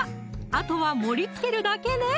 あとは盛りつけるだけね！